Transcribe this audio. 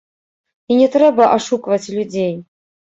І не трэба ашукваць людзей.